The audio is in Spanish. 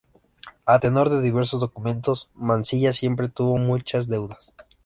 A tenor de diversos documentos, Mansilla siempre tuvo muchas deudas.